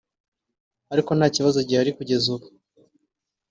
ariko nta kibazo gihari kugeza ubu